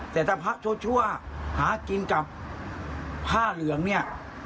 แต่ถ้าพระชั่วหากินกับผ้าเหลืองเนี่ย